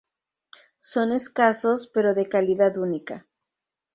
Son escasos, pero de calidad única.